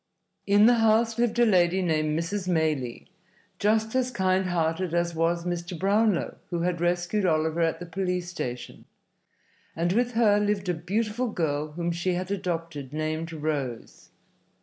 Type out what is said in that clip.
In the house lived a lady named Mrs. Maylie, just as kind hearted as was Mr. Brownlow who had rescued Oliver at the police station, and with her lived a beautiful girl whom she had adopted, named Rose.